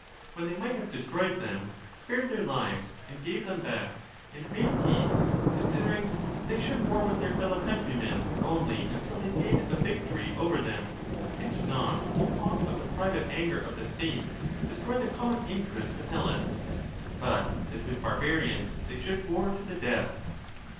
when they might have destroyed them, spared their lives, and gave them back, and made peace, considering that they should war with their fellow countrymen only until they gained a victory over them, and not because of the private anger of the state destroy the common interest of Hellas ; but that with barbarians they should war to the death.